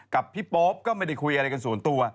กับพี่โป๊ปก็ไม่ได้คุยอะไรกันส่วนตัว